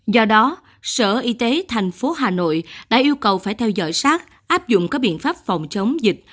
do đó sở y tế thành phố hà nội đã yêu cầu phải theo dõi sát áp dụng các biện pháp phòng chống dịch